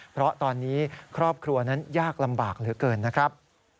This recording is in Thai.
เพราะตอนนี้ครอบครัวนั้นยากลำบากเหลือเกินนะครับ